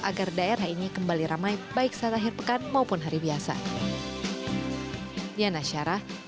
agar daerah ini kembali ramai baik saat akhir pekan maupun hari biasa